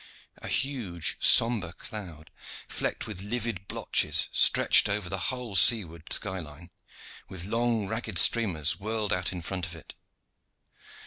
A huge sombre cloud, flecked with livid blotches, stretched over the whole seaward sky line, with long ragged streamers whirled out in front of it.